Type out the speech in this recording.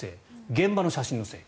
現場の写真の整理。